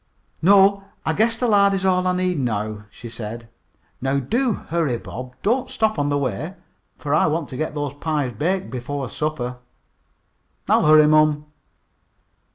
"No, I guess the lard is all I need now," she said. "Now do hurry, Bob. Don't stop on the way, for I want to get these pies baked before supper." "I'll hurry, mom."